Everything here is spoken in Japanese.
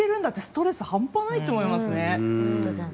ストレス半端ないと思いますね。